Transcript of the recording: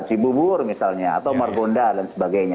cibubur misalnya atau margonda dan sebagainya